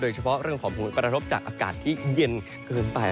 เฉพาะเรื่องของผลกระทบจากอากาศที่เย็นเกินไป